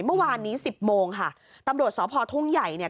เมื่อวานนี้สิบโมงค่ะตำรวจสพทุ่งใหญ่เนี่ย